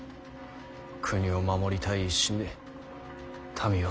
国を守りたい一心で民をたきつけた。